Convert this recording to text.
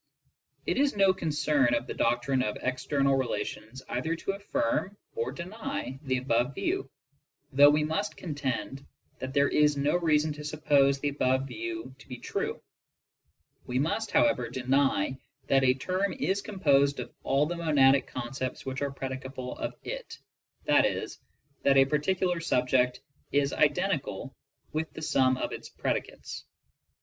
It is no concern of the doc trine of external relations either to affirm or deny the above view, though we must contend that there is no reason to suppose the above view to be true. We must, however, deny that a term is composed of all the monadic concepts which are predicable of it, ┬½. e., that a particular subject is identical with the sum of its predicates.